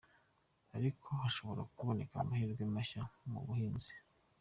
Ariko hashobora kuboneka amahirwe mashya mu buhinzi.